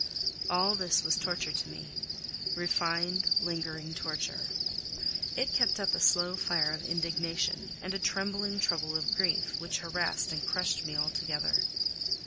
All this was torture to me—refined, lingering torture. It kept up a slow fire of indignation and a trembling trouble of grief, which harassed and crushed me altogether.